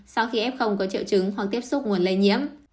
sau khi f có triệu chứng hoặc tiếp xúc nguồn lây nhiễm